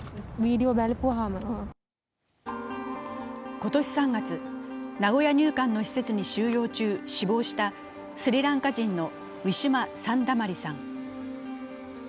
今年３月、名古屋入管の施設に収監中、死亡したスリランカ人のウィシュマ・サンダマリさん。